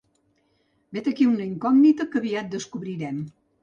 Vet aquí una incògnita que aviat descobrirem.